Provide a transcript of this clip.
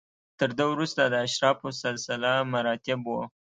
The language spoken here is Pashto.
تر ده وروسته د اشرافو سلسله مراتب و.